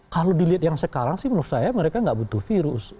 kalau dilihat yang sekarang sih menurut saya mereka nggak butuh virus